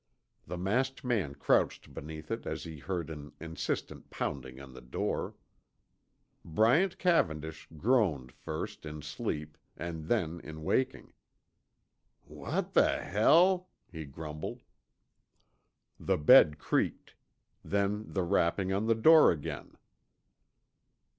The masked man crouched beneath it as he heard an insistent pounding on the door. Bryant Cavendish groaned first in sleep and then in waking. "What the hell?" he grumbled. The bed creaked. Then the rapping on the door again.